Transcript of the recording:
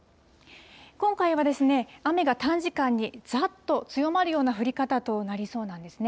今回は雨が短時間にざーっと強まるような降り方となりそうなんですね。